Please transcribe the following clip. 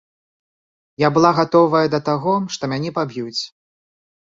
Я была гатовая да таго, што мяне паб'юць.